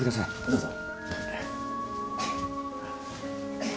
どうぞ。